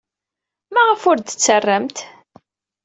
Maɣef ur d-tettarramt?